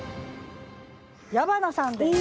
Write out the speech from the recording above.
矢花さんです。